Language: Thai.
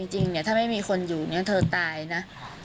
จริงถ้าไม่มีคนอยู่เธอตายนะ